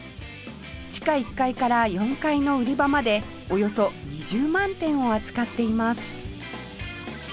地下１階から４階の売り場までおよそ２０万点を扱っています